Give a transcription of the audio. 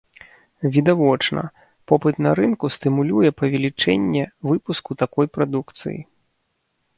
Відавочна, попыт на рынку стымулюе павелічэнне выпуску такой прадукцыі.